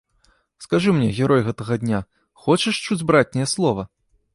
Скажы мне, герой гэтага дня, хочаш чуць братняе слова?